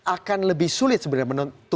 akan lebih sulit sebenarnya menentukan figur tiga